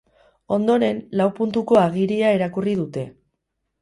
Ondoren, lau puntuko agiria irakurri dute.